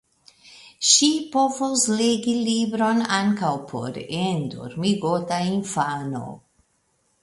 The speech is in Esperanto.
Ŝi povos legi libron ankaŭ por endormigota infano.